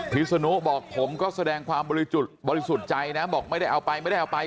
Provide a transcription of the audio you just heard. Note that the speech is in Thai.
พี่สนุนบอกผมก็แสดงความบริสุทธิ์ใจนะบอกไม่ได้เอาไปไม่ได้เอาไป